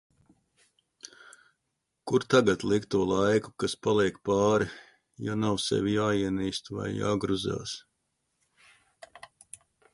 Kur tagad likt to laiku, kas paliek pāri, ja nav sevi jāienīst vai jāgruzās.